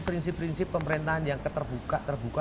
prinsip prinsip pemerintahan yang terbuka